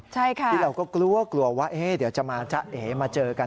ที่เราก็กลัวว่าเฮ้ยเดี๋ยวจะมาเจอกัน